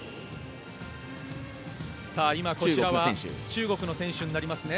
今、こちらは中国の選手になりますね。